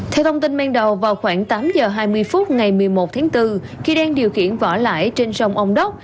theo thông tin ban đầu vào khoảng tám h hai mươi phút ngày một mươi một tháng bốn khi đang điều khiển vỏ lãi trên sông ông đốc